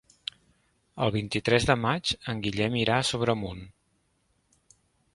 El vint-i-tres de maig en Guillem irà a Sobremunt.